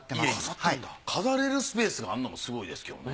飾れるスペースがあるのもすごいですよね。